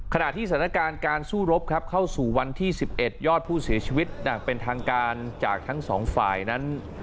ขณะที่สถานการณ์การสู้รบครับเข้าสู่วันที่๑๑ยอดผู้เสียชีวิตอย่างเป็นทางการจากทั้งสองฝ่ายนั้น